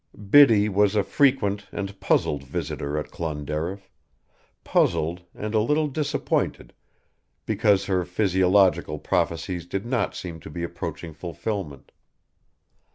Biddy was a frequent and puzzled visitor at Clonderriff, puzzled, and a little disappointed because her physiological prophecies did not seem to be approaching fulfilment.